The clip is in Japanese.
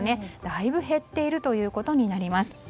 だいぶ減っていることになります。